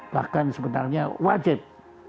bahkan sebenarnya wajib